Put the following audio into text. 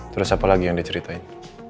terus apa lagi yang diceritain